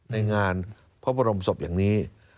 ในงานพระบรมศพอย่างนี้